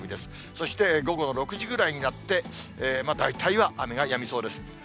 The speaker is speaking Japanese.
そして、午後の６時ぐらいになって、大体は雨がやみそうです。